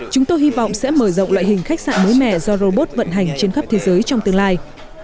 chúng tôi hy vọng sẽ mở rộng loại hình khách sạn mới mẻ do robot vận hành trên khắp thế giới trong tương lai